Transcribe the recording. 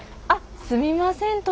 あっすみません